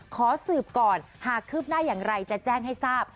ขอสืบก่อนหากคืบหน้าอย่างไรจะแจ้งให้ทราบ